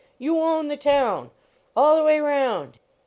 You own the town !" "All the way round